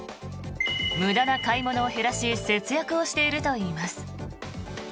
無駄な買い物を減らし節約をしているといいます。